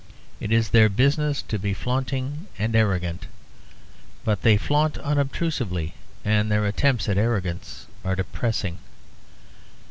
It is their business to be flaunting and arrogant; but they flaunt unobtrusively, and their attempts at arrogance are depressing.